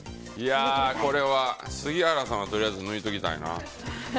これは杉原さんは抜いておきたいな。